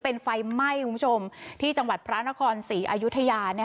เป็นไฟไหม้ที่จังหวัดพระนครศรีอยุธยา